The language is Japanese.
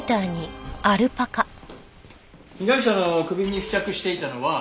被害者の首に付着していたのは。